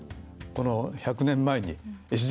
この１００年前に。